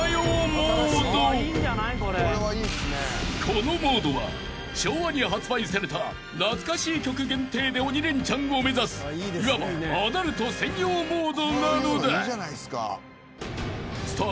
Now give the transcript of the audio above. ［このモードは昭和に発売された懐かしい曲限定で鬼レンチャンを目指すいわばアダルト専用モードなのだ］